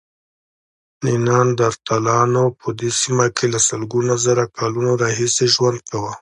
نیاندرتالانو په دې سیمه کې له سلګونو زره کلونو راهیسې ژوند کاوه.